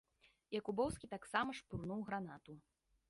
Якубоўскі таксама шпурнуў гранату.